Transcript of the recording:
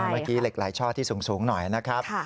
เมื่อกี้เหล็กไหลช่อที่สูงหน่อยนะครับ